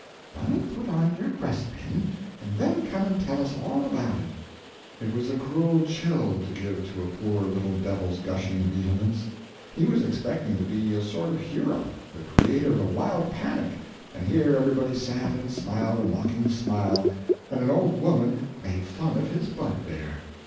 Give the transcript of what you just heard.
Run and put on your breastpin, and then come and tell us all about it." It was a cruel chill to give to a poor little devil's gushing vehemence. He was expecting to be a sort of hero the creator of a wild panic and here everybody sat and smiled a mocking smile, and an old woman made fun of his bugbear.